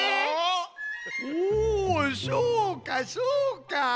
おおそうかそうか！